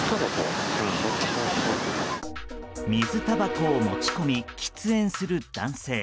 水たばこを持ち込み喫煙する男性。